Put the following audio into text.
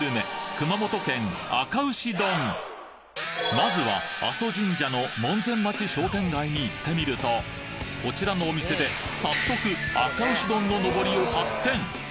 まずは阿蘇神社の門前町商店街に行ってみるとこちらのお店で早速あか牛丼ののぼりを発見